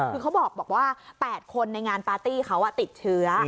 คือเขาบอกว่า๘คนในงานปาร์ตี้เขาติดเชื้อ